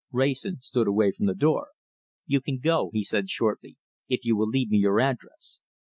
Wrayson stood away from the door. "You can go," he said shortly, "if you will leave me your address."